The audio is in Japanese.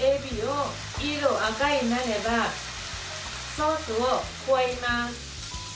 えびの色が赤いになればソースを加えます。